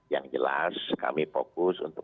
yang jelas kami fokus untuk